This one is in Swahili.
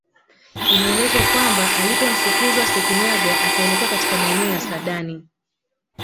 Inaelezwa kwamba alipomfukuzwa Sekinyaga akaelekea katika maeneo ya Sadani